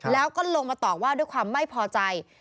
แล้วก็ลงมาตอบว่าด้วยความไม่พอใจ